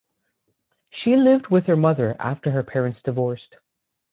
She lived with her mother after her parents divorced.